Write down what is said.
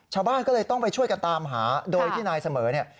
ชาวบ้านก็เลยต้องไปช่วยกันตามหาโดยที่นายเสมอเนี่ย